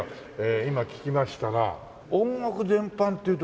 今聞きましたが音楽全般っていうとどうなる？